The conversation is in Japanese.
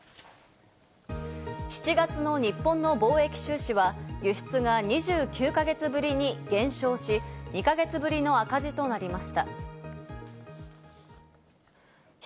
７月の日本の貿易収支は輸出が２９か月ぶりに減少し、２か月ぶりの赤字となりました。